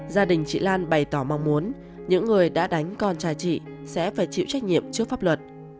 gia đình chị lan bày tỏ mong muốn những người đã đánh con trai chị sẽ phải chịu trách nhiệm trước pháp luật